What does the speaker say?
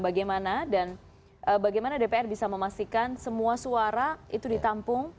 bagaimana dan bagaimana dpr bisa memastikan semua suara itu ditampung